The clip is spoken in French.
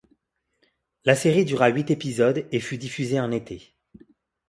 La série dura huit épisodes et fut diffusée un été.